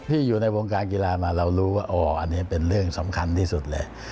ที่อยู่ในวงการกีฬามาเรารู้ว่าอ๋ออันนี้เป็นเรื่องสำคัญที่สุดเลย